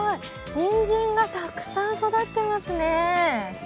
ニンジンがたくさん育ってますね。